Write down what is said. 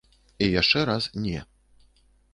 І яшчэ раз не.